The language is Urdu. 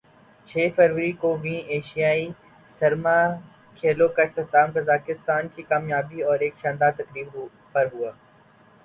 چھ فروری کو ویں ایشیائی سرما کھیلوں کا اختتام قازقستان کی کامیابیوں اور ایک شاندار تقریب پر ہوا